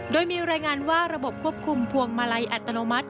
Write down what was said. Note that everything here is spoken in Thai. โดยมีรายงานว่าระบบควบคุมพวงมาลัยอัตโนมัติ